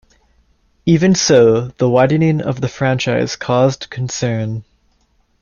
Even so, the widening of the franchise caused concern.